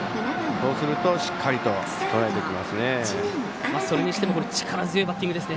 こうするとしっかりととらえてきますね。